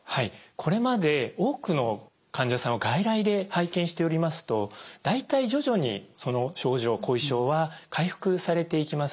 これまで多くの患者さんを外来で拝見しておりますと大体徐々にその症状後遺症は回復されていきます。